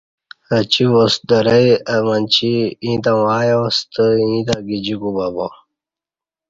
اچی واس درئ اہ منچی ایں تاوں ایا ستہ ایں تہ گجی کوبہ با۔